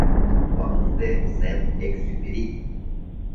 Антуан де Сент-Экзюпери